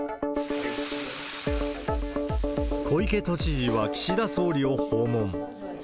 小池都知事は岸田総理を訪問。